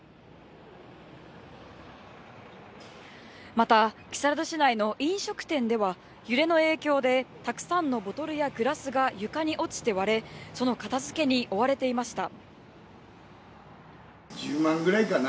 また、木更津市内の飲食店では、揺れの影響で、たくさんのボトルやグラスが床に落ちて割れ、その片付けに追われていました。